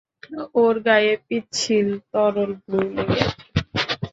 ওর গায়ে পিচ্ছিল তরল গ্লু লেগে আছে!